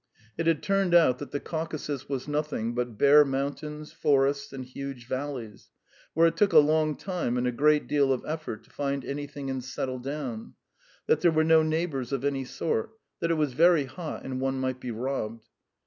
It had turned out that the Caucasus was nothing but bare mountains, forests, and huge valleys, where it took a long time and a great deal of effort to find anything and settle down; that there were no neighbours of any sort; that it was very hot and one might be robbed.